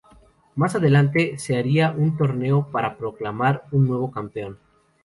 Más adelante, se haría un torneo para proclamar a un nuevo campeón.